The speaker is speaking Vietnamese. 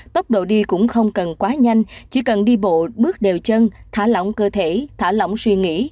tốc độ đi cũng không cần quá nhanh chỉ cần đi bộ bước đều chân thả lỏng cơ thể thả lỏng suy nghĩ